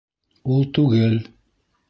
Ул түгел!